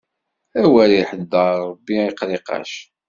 Awer iḥeddaṛ Ṛebbi i qiriqac.